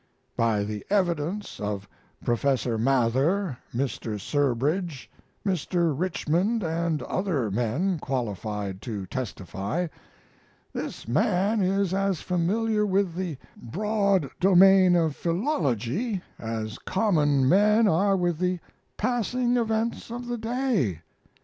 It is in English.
By the evidence of Professor Mather, Mr. Surbridge, Mr. Richmond, and other men qualified to testify, this man is as familiar with the broad domain of philology as common men are with the passing events of the day.